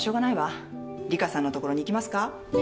リカさんのところに行きますか？